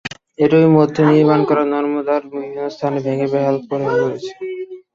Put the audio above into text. এরই মধ্যে নির্মাণ করা নর্দমার বিভিন্ন স্থান ভেঙে বেহাল হয়ে পড়েছে।